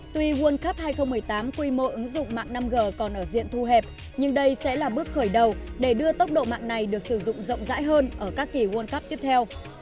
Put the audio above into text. tuy world cup hai nghìn một mươi tám quy mô ứng dụng mạng năm g còn ở diện thu hẹp nhưng đây sẽ là bước khởi đầu để đưa tốc độ mạng này được sử dụng rộng rãi hơn ở các kỳ world cup tiếp theo